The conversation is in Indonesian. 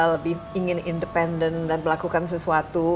lebih ingin independen dan melakukan sesuatu